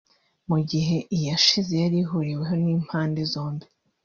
mu gihe iyashize yari ihuriweho n’impande zombi (gauche-droite)